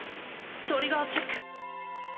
トリガーチェック。